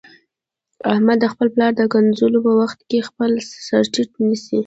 احمد د خپل پلار د کنځلو په وخت کې خپل سرټیټ نیسي.